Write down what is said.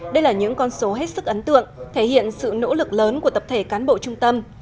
đây là những con số hết sức ấn tượng thể hiện sự nỗ lực lớn của tập thể cán bộ trung tâm